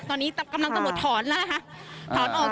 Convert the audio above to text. คุณภาคภูมิพยายามอยู่ในจุดที่ปลอดภัยด้วยนะคะ